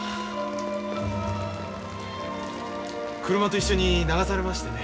車と一緒に流されましてね。